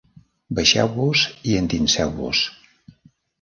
Baixeu-vos i endinseu-vos.